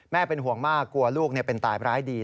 เป็นห่วงมากกลัวลูกเป็นตายร้ายดี